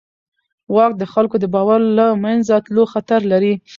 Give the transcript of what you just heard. واک د خلکو د باور له منځه تلو خطر لري.